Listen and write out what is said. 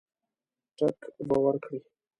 ټګ به ورکړي.